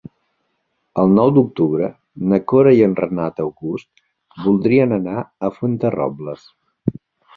El nou d'octubre na Cora i en Renat August voldrien anar a Fuenterrobles.